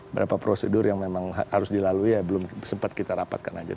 berapa prosedur yang memang harus dilalui ya belum sempat kita rapatkan aja